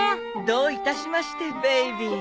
どういたしましてベイビー。